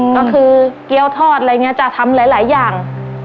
ก็คือเกี้ยวทอดอะไรอย่างนี้จะทำหลายอย่าง